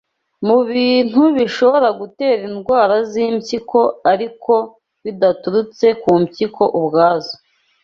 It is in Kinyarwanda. Mu bintu bishobora gutera indwara z’impyiko ariko bidaturutse ku mpyiko ubwazo